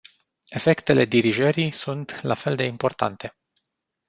Efectele dirijării sunt la fel de importante.